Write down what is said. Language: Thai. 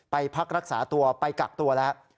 พักรักษาตัวไปกักตัวแล้ว